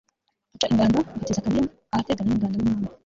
aca ingando i betizakariya, ahateganye n'ingando y'umwami